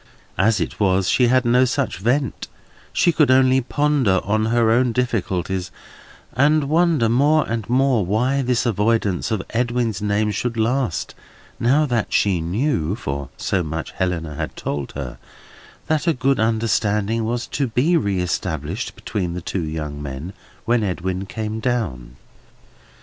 As it was, she had no such vent: she could only ponder on her own difficulties, and wonder more and more why this avoidance of Edwin's name should last, now that she knew—for so much Helena had told her—that a good understanding was to be reëstablished between the two young men, when Edwin came down.